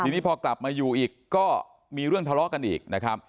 ทีนี้พอกลับมาอยู่อีกก็มีเรื่องทะเลาะกันอีกนะครับ